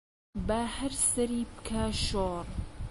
با هەر سەری بکا شۆڕ